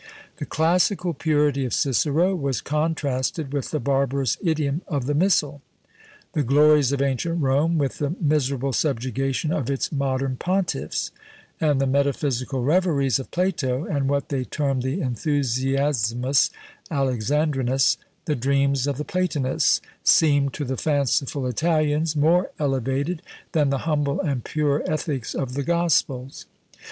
The classical purity of Cicero was contrasted with the barbarous idiom of the Missal; the glories of ancient Rome with the miserable subjugation of its modern pontiffs; and the metaphysical reveries of Plato, and what they termed the "Enthusiasmus Alexandrinus" the dreams of the Platonists seemed to the fanciful Italians more elevated than the humble and pure ethics of the Gospels.